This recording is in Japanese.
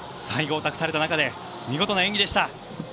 最後を託された中で見事な演技でした。